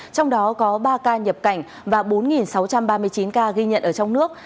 trong đó có ba ca nhập cảnh và bốn sáu trăm ba mươi chín ca ghi nhận ở trong nước